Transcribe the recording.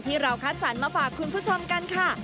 ที่เราคัดสรรมาฝากคุณผู้ชมกันค่ะ